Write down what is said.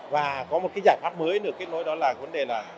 và có một cái giải pháp mới nữa kết nối đó là vấn đề là